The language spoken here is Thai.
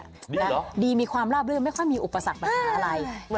ดีเหรอดีมีความราบรื่นไม่ค่อยมีอุปสรรคประมาณอะไร